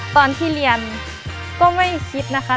ตอนที่เรียนก็ไม่คิดนะคะ